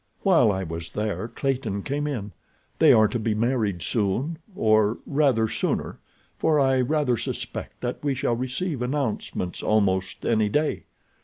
While I was there Clayton came in. They are to be married soon, or rather sooner, for I rather suspect that we shall receive announcements almost any day.